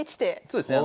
そうですね。